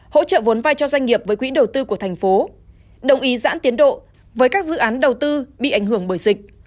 hỗ trợ vốn vai cho doanh nghiệp với quỹ đầu tư của thành phố đồng ý giãn tiến độ với các dự án đầu tư bị ảnh hưởng bởi dịch